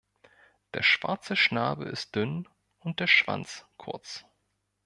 Der schwarze Schnabel ist dünn und der Schwanz kurz.